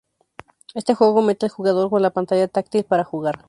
Este juego mete al jugador con la pantalla táctil para jugar.